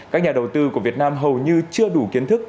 các nhà đầu tư của việt nam hầu như chưa đủ kiến thức